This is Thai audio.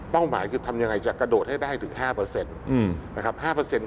เป้าหมายคือทำยังไงจะกระโดดให้ได้ถึง๕